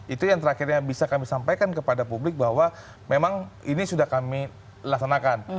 itu yang terakhir yang bisa kami sampaikan kepada publik bahwa memang ini sudah kami laksanakan